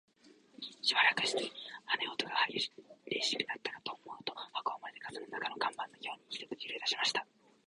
しばらくして、羽音が烈しくなったかと思うと、箱はまるで風の中の看板のようにひどく揺れだしました。